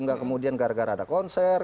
nggak kemudian gara gara ada konser